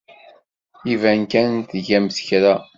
Iban kan tgamt kra.